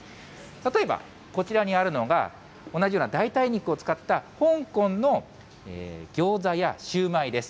例えばこちらにあるのが、同じような代替肉を使った香港のギョーザやシューマイです。